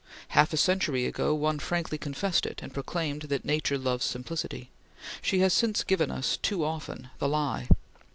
Half a century ago one frankly confessed it, and proclaimed that nature loves simplicity. She has since given us too often the lie.